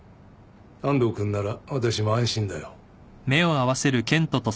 安藤君なら私も安心だよ。